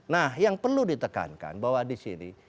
nah yang perlu ditekankan bahwa di sini